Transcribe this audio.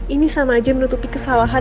ini sama aja menutupi kesalahan